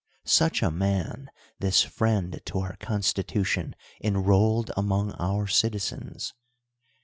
Such a man this friend to our constitution enrolled among our citizens.